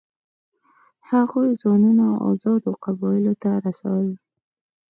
هغوی ځانونه آزادو قبایلو ته ورسول.